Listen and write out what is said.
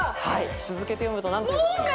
続けて読むと何という。